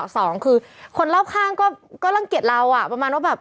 สองคือคนรอบข้างก็รังเกียจเราอ่ะประมาณว่าแบบ